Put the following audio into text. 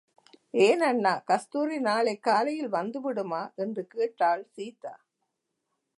ஏனண்ணா, கஸ்தூரி நாளைக் காலையில் வந்து விடுமா? என்று கேட்டாள் சீதா.